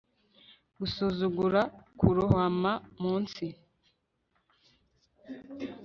gusuzugura kurohama munsi